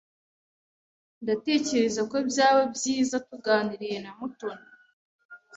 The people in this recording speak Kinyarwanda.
Ndatekereza ko byaba byiza tuganiriye na Mutoni.